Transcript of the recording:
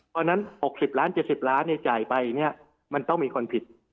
เพราะฉะนั้น๖๐ล้าน๗๐ล้านจ่ายไปมันต้องมีคนผิด